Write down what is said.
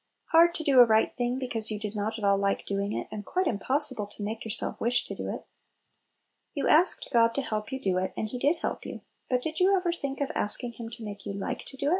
hard to do a right thing, be cause you did not at all like doing it, and quite impossible to make yourself wish to do it? You asked God to help you to do it, and He did help you; but did you ever think of asking Him to make you like to do it?